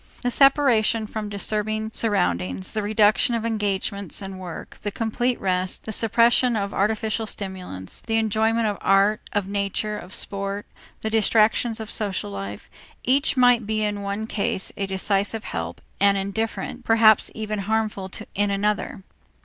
The separation from disturbing surroundings, the reduction of engagements and work, the complete rest, the suppression of artificial stimulants, the enjoyment of art, of nature, of sport, the distractions of social life, each might be in one case a decisive help and indifferent, perhaps even harmful in another.